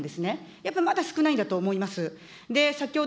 やっぱまだ少ないんだと思います。